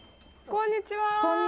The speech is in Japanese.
こんにちは。